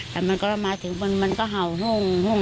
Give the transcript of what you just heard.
แต่มันก็มาถึงมันก็เห่าห้ง